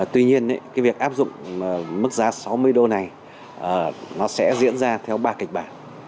tuy nhiên cái việc áp dụng mức giá sáu mươi đô này nó sẽ diễn ra theo ba kịch bản